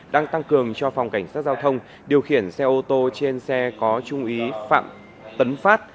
đang tăng cường cho phòng cảnh sát giao thông điều khiển xe ô tô trên xe có trung úy phạm tấn phát